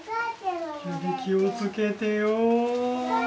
指気を付けてよ。